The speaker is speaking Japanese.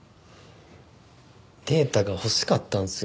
データが欲しかったんすよ。